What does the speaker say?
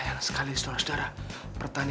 ya udah deh selamat jalan